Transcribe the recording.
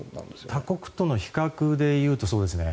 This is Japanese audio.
他国との比較でいうとそうですね。